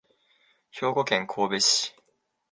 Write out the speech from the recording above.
兵庫県神戸市